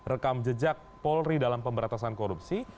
rekam jejak polri dalam pemberantasan korupsi